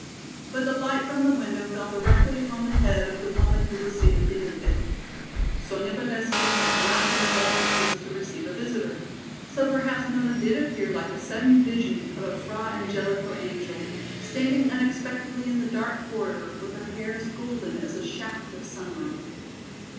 But the light from the window fell directly upon the head of the woman who was seated beneath it. Sonya Valesky had not been told that she was to receive a visitor. So perhaps Nona did appear like a sudden vision of a Fra Angelico angel, standing unexpectedly in the dark corridor with her hair as golden as a shaft of sunlight.